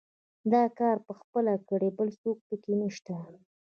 دا کار ما پخپله کړی، بل څوک پکې نشته.